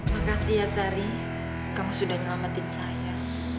makasih ya sari kamu sudah nyelamatin saya